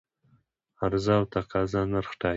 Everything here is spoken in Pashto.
عرضه او تقاضا نرخ ټاکي.